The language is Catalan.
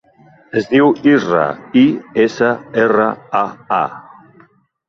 Es diu Israa: i, essa, erra, a, a.